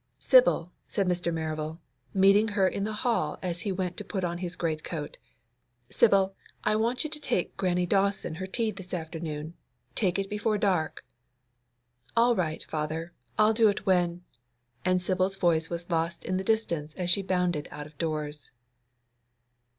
'Sibyl,' said Mr. Merival, meeting her in the hall as he went to put on his greatcoat,—'Sibyl, I want you to take Grannie Dawson her tea this afternoon. Take it before dark.' 'All right, father; I'll do it when'—and Sibyl's voice was lost in the distance as she bounded out of doors.